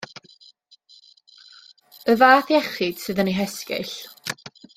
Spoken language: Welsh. Y fath iechyd sydd yn ei hesgyll.